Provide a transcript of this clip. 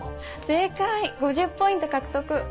正解５０ポイント獲得。